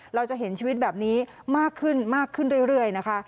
เราจะเห็นชีวิตแบบนี้มากขึ้นมากขึ้นเรื่อยนะคะ